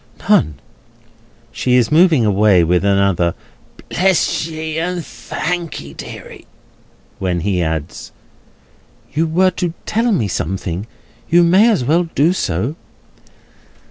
"None." She is moving away, with another "Bless ye, and thank'ee, deary!" when he adds: "You were to tell me something; you may as well do so."